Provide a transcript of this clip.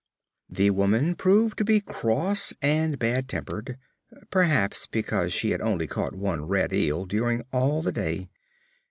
The woman proved to be cross and bad tempered, perhaps because she had only caught one red eel during all the day.